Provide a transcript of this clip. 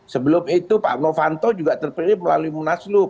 sebelum itu pak novanto juga terpilih melalui munaslup